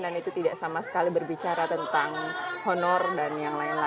dan itu tidak sama sekali berbicara tentang honor dan yang lain lain